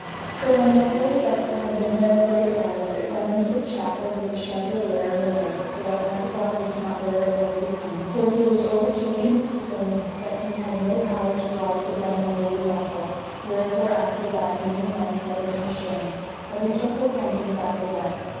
So when the holy vessel had been there a great while it went unto the chapel with the chandelier and the light, so that Launcelot wist not where it was become; for he was overtaken with sin that he had no power to rise again the holy vessel; wherefore after that many men said of him shame, but he took repentance after that.